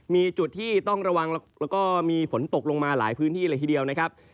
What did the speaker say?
มีจุดที่ต้องระวังแล้วก็มีฝนตกลงมาหลายพื้นที่เลยทีเดียวนะครับ